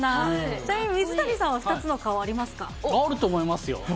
ちなみに水谷さんは２つの顔、あると思いますよ。